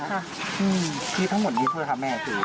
คุณอยู่ไหนแม่ก็อยากจะถามเหมือนกันว่าขออนุญาตไม่หรือยัง